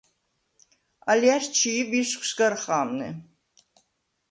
ალჲა̈რს ჩი̄ ვისგვს გარ ხა̄მნე.